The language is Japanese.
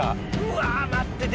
うわ待って。